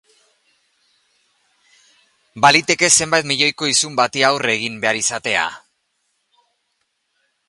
Baliteke zenbait milioiko isun bati aurre egin behar izatea.